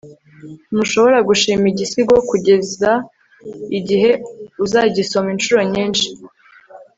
ntushobora gushima igisigo kugeza igihe uzagisoma inshuro nyinshi